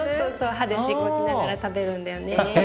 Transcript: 歯でしごきながら食べるんだよね。